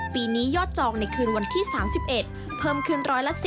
ปีนี้ยอดจองในคืนวันที่๓๑เพิ่มขึ้น๑๑๐